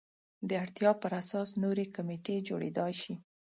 د اړتیا پر اساس نورې کمیټې جوړېدای شي.